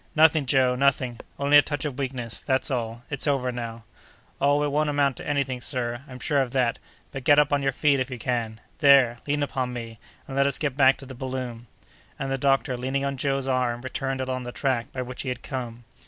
"Nothing, Joe, nothing! Only a touch of weakness, that's all. It's over now." "Oh! it won't amount to any thing, sir, I'm sure of that; but get up on your feet, if you can. There! lean upon me, and let us get back to the balloon." And the doctor, leaning on Joe's arm, returned along the track by which he had come.